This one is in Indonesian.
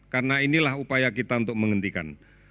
karena inilah upaya kita untuk menghentikan